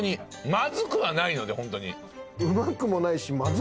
まずくはないのでホントに。